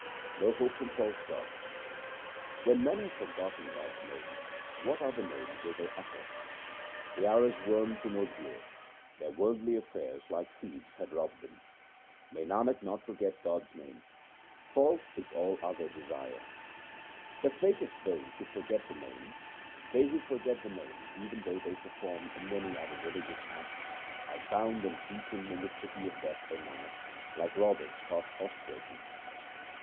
No hope from false gods :— When men have forgotten God's name, what other name will they utter ? They are as worms in ordure ; their worldly affairs like thieves have robbed them. May Nanak not forget God's name ! False is all other desire. The fate of those who forget the Name :— They who forget the Name, even though they perform many other religious acts, Are bound and beaten in the city of Death, O Nanak, like robbers caught house breaking.